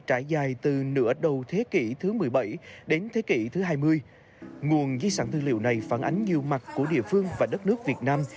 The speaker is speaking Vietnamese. trải dài từ nửa đầu thế kỷ thứ một mươi bảy đến thế kỷ thứ hai mươi nguồn di sản tư liệu này phản ánh nhiều mặt của địa phương và đất nước việt nam